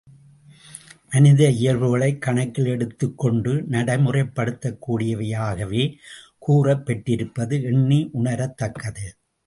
மனித இயல்புகளைக் கணக்கில் எடுத்துக் கொண்டு நடைமுறைப் படுத்தக் கூடியவையாகவே கூறப் பெற்றிருப்பது எண்ணி உணரத் தக்கது.